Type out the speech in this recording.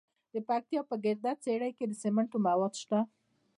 د پکتیا په ګرده څیړۍ کې د سمنټو مواد شته.